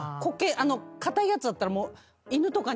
硬いやつだったらもう。